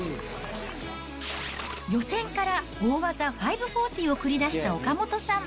予選から大技、５４０を繰り出した岡本さん。